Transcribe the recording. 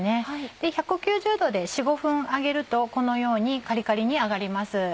で１９０℃で４５分揚げるとこのようにカリカリに揚がります。